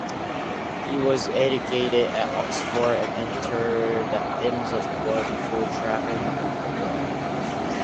He was educated at Oxford and entered the Inns of Court before travelling abroad.